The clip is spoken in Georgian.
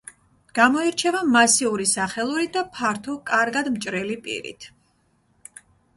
გამოირჩევა მასიური სახელურით და ფართო, კარგად მჭრელი პირით.